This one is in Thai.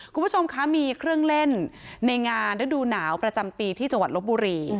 คุณผู้ชมคะมีเครื่องเล่นในงานฤดูหนาวประจำปีที่จังหวัดลบบุรี